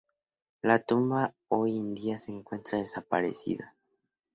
La tumba hoy en día se encuentra desaparecida.